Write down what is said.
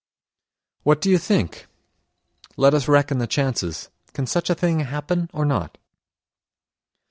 What do you think? Let us reckon the chances—can such a thing happen or not?